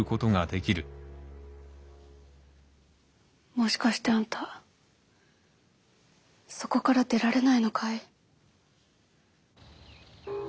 もしかしてあんたそこから出られないのかい？